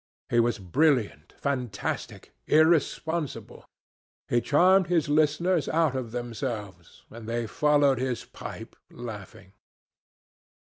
He was brilliant, fantastic, irresponsible. He charmed his listeners out of themselves, and they followed his pipe, laughing.